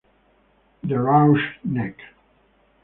The Rough Neck